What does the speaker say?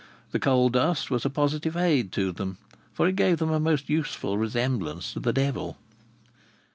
The coal dust was a positive aid to them, for it gave them a most useful resemblance to the devil.